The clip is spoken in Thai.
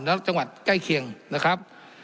และจังหวัดใกล้เคียงนะครับ